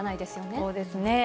そうですね。